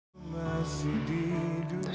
jangan pernah menyebutnya